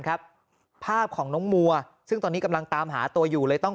ครับภาพของน้องมัวซึ่งตอนนี้กำลังตามหาตัวอยู่เลยต้อง